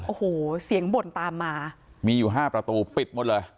โอ้โหเสียงบ่นตามมามีอยู่ห้าประตูปิดหมดเลย